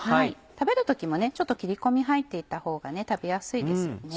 食べる時もちょっと切り込み入っていたほうが食べやすいですよね。